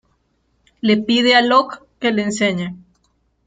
Le pide a Locke que le enseñe.